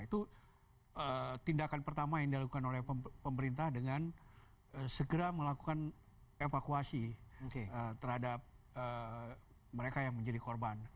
itu tindakan pertama yang dilakukan oleh pemerintah dengan segera melakukan evakuasi terhadap mereka yang menjadi korban